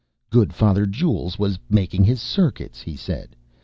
"Good Father Jules was making his circuits," he said.